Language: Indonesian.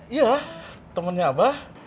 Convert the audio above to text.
iya temennya abah